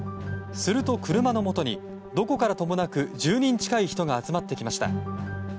すると車のもとにどこからともなく１０人近い人が集まってきました。